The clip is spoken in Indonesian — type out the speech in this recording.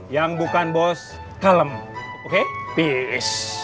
yang bukan bos kalem oke piece